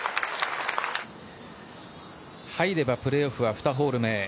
入ればプレーオフは２ホール目。